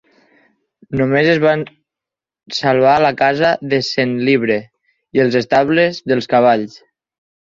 Només es van salvar la casa de Centlivre i els estables dels cavalls.